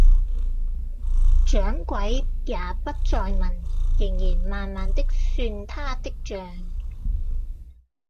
掌櫃也不再問，仍然慢慢的算他的賬